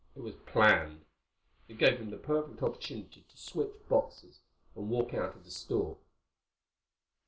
It was planned. It gave him the perfect opportunity to switch boxes and walk out of the store."